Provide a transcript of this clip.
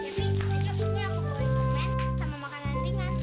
sepi ajok ini aku bawain minuman sama makanan ringan